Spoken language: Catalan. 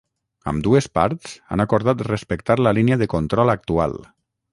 Ambdues parts han acordat respectar la línia de control actual.